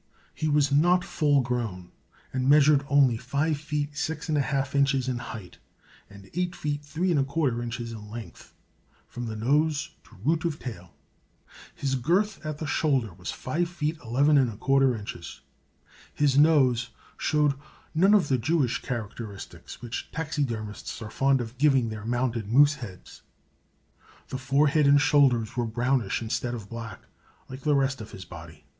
He was not full grown, and measured only 5 feet 6 1/2 inches in height, and 8 feet 3 1/4 inches in length, from the nose to root of tail. His girth at the shoulder was 5 feet 11 1/4 inches. His nose showed none of the Jewish characteristics which taxidermists are fond of giving their mounted moose heads. The forehead and shoulders were brownish instead of black, like the rest of the body.